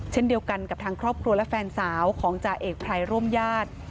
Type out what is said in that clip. เช่นเดียวกันกับทางครอบครัวและแฟนสาวของจ่าเอกไพรร่วมญาติ